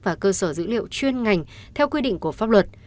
và cơ sở dữ liệu chuyên ngành theo quy định của pháp luật